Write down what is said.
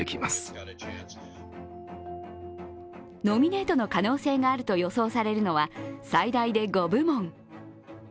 ノミネートの可能性があると予想されるのは最大で５部門。